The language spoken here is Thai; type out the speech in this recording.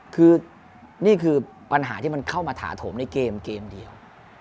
คือนี่คือปัญหาที่มันเข้ามาถาโถมในเกมเกมเดียว